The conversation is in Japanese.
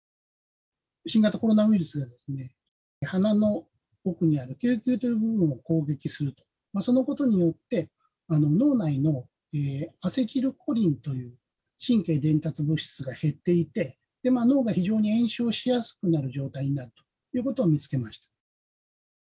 新型コロナウイルスは鼻の奥にある嗅球という部分がそのことによって脳内のアセチルコリンという神経伝達物質が減っていて脳が非常に炎症しやすくなる状態になるということを見つけました。